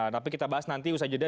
tapi kita bahas nanti usaha jadinya